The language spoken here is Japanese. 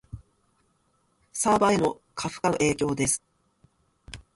サーバへの過負荷の影響です